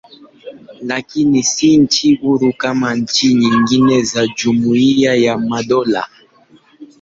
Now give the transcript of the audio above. Lakini si nchi huru kama nchi nyingine za Jumuiya ya Madola.